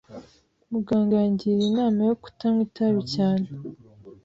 Muganga yangiriye inama yo kutanywa itabi cyane.